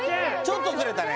ちょっとズレたね